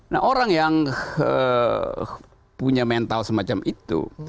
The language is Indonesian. nah orang yang punya mental semacam itu